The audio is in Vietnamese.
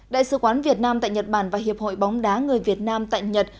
đại sứ quán việt nam tại nhật bản và hiệp hội bóng đá người việt nam tại nhật